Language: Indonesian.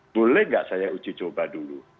boleh nggak saya uji coba dulu